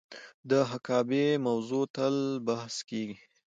د حقابې موضوع تل بحث کیږي.